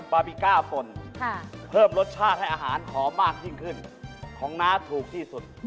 บาบิก้าป่นเพิ่มรสชาติให้อาหารหอมมากยิ่งขึ้นของน้าถูกที่สุด